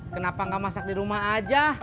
kenapa nggak masak di rumah aja